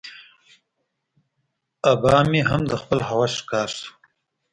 آبا مې هم د خپل هوس ښکار شو.